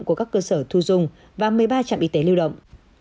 của các cơ sở thu dung và một mươi ba trạm y tế lưu động